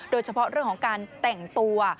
โดยเฉพาะเรื่องของการแต่งตัว